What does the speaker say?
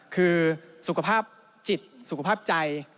คือสุขภาพจิตสุขภาพใจ